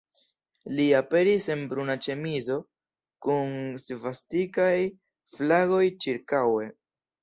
Li aperis en bruna ĉemizo, kun svastikaj flagoj ĉirkaŭe.